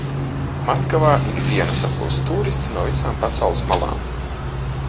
Maskavā ik dienu saplūst tūristi no visām pasaules malām.